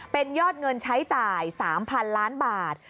เป็นยอดเงินใช้จ่าย๓๐๐๐ล้านบาท